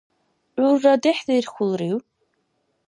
ГӀурра дехӀдирхьулрив!?